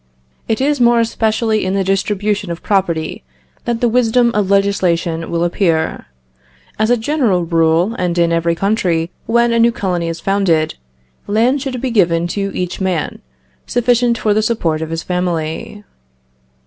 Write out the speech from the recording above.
"It is more especially in the distribution of property that the wisdom of legislation will appear. As a general rule, and in every country, when a new colony is founded, land should be given to each man, sufficient for the support of his family....